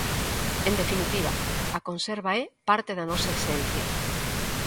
En definitiva, a conserva é parte da nosa esencia.